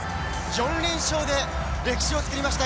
４連勝で歴史を作りました。